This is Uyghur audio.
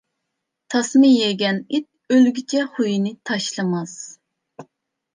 تاسما يېگەن ئىت ئۆلگۈچە خۇيىنى تاشلىماس.